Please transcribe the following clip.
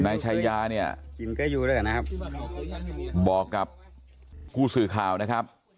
นายใช้ยาเนี่ยบอกกับกู้สื่อข่าวนะครับ